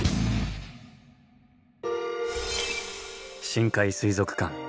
深海水族館。